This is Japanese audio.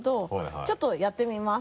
ちょっとやってみます。